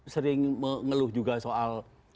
sering mengeluh juga soal